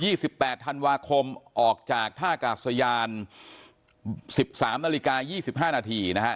สิบแปดธันวาคมออกจากท่ากาศยานสิบสามนาฬิกายี่สิบห้านาทีนะฮะ